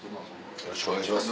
よろしくお願いします。